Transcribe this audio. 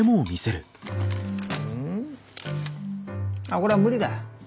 あっこりゃ無理だ。